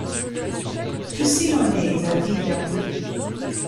Toucy en est la ville d'appui.